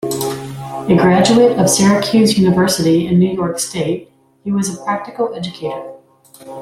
A graduate of Syracuse University in New York state, he was a practical educator.